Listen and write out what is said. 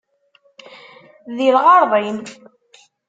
Deg lɣeṛḍ-im!